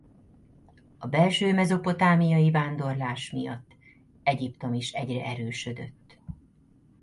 A belső mezopotámiai vándorlás miatt Egyiptom is egyre erősödött.